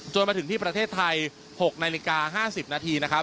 มาถึงที่ประเทศไทย๖นาฬิกา๕๐นาทีนะครับ